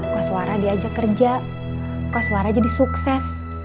koswara diajak kerja koswara jadi sukses